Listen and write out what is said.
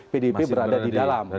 pdip berada di dalam